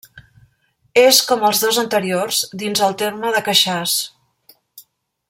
És, com els dos anteriors, dins del terme de Queixàs.